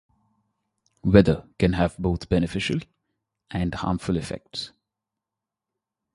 Weather can have both beneficial and harmful effects.